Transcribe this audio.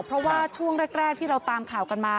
เพราะว่าช่วงแรกที่เราตามข่าวกันมา